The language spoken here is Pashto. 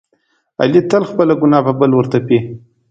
علي تل خپله ګناه په بل ورتپي.